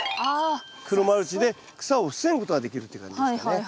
黒マルチで草を防ぐことができるっていう感じですかね。